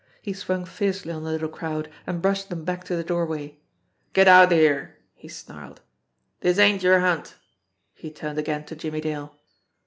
He swung fiercely on the little crowd and brushed them back to the doorway. "Get outer here!" he snarled. "Dis ain't yer hunt!" He turned again to Jimmie Dale.